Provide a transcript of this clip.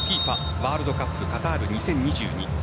ワールドカップカタール２０２２。